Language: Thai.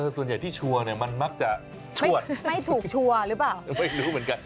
ส่วนใหญ่ที่ชัวร์เนี่ยมันมักจะชวดไม่ถูกชัวร์หรือเปล่าไม่รู้เหมือนกัน